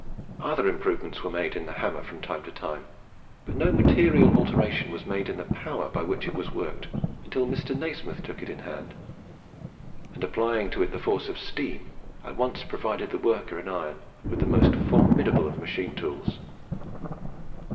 Other improvements were made in the hammer from time to time, but no material alteration was made in the power by which it was worked until Mr. Nasmyth took it in hand, and applying to it the force of steam, at once provided the worker in iron with the most formidable of machine tools.